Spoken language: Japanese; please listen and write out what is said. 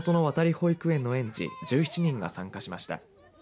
保育園の園児１７人が参加しました。